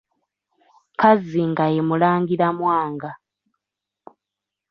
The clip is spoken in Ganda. Kazzi nga ye Mulangira Mwanga.